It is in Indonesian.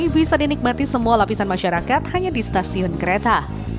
bisa dinikmati semua lapisan masyarakat hanya di stasiun kereta